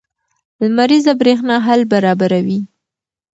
لمریزه برېښنا حل برابروي.